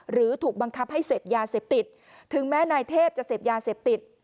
หรือถูกบังคับให้เสพยาเสพติดถึงแม้นายเทพจะเสพยาเสพติด